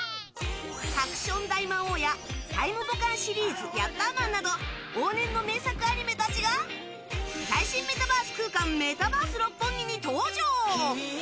「ハクション大魔王」や「タイムボカンシリーズヤッターマン」など往年の名作アニメたちが最新メタバース空間メタバース六本木に登場！